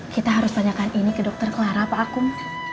kita harus tanyakan ini ke dokter clara pak akum